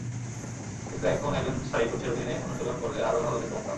কিন্তু এখন একজন স্থায়ী কোচের অধীনে অনুশীলন করলে আরও ভালো খেলতে পারতাম।